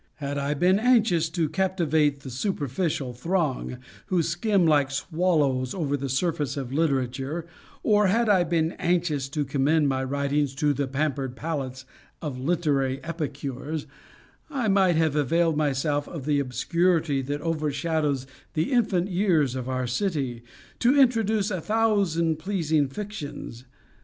Had I been anxious to captivate the superficial throng, who skim like swallows over the surface of literature; or had I been anxious to commend my writings to the pampered palates of literary epicures, I might have availed myself of the obscurity that overshadows the infant years of our city, to introduce a thousand pleasing fictions.